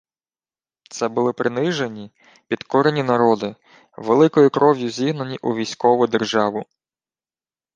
Це були принижені, підкорені народи, великою кров'ю зігнані у військову державу